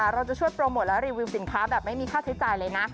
เราจะช่วยโปรโมทและรีวิวสินค้าแบบไม่มีค่าใช้จ่ายเลยนะ